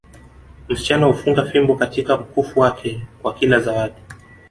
Msichana hufunga fimbo katika mkufu wake kwa kila zawadi